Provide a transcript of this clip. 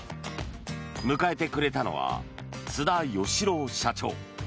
迎えてくれたのは津田善朗社長。